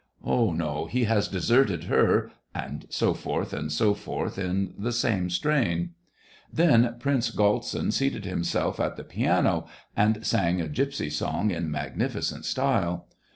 " SEVASTOPOL IN MAY. gj "No, he has deserted her ..." and so forth, and so forth, in the same strain. Then Prince Galtsin seated himself at the piano, and sang a gypsy song in magnificent style.